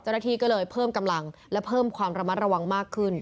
เจ้าหน้าที่ก็เลยเพิ่มกำลังและเพิ่มความระมัดระวังมากขึ้น